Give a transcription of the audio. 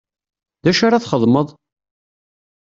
D acu ara txedmeḍ?